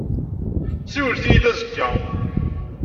Siwlet-iyi-d azekka.